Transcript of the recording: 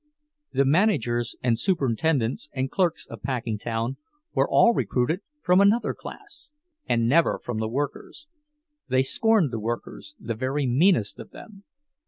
The managers and superintendents and clerks of Packingtown were all recruited from another class, and never from the workers; they scorned the workers, the very meanest of them.